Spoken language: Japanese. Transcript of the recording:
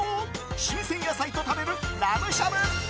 新鮮野菜と食べるラムしゃぶ。